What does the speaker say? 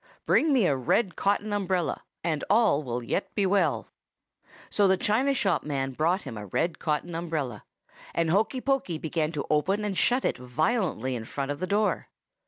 Bring me a red cotton umbrella, and all will yet be well.' "So the china shop man brought him a red cotton umbrella, and Hokey Pokey began to open and shut it violently in front of the door.